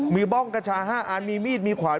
มีบ้องกระชา๕อันมีมีดมีขวาน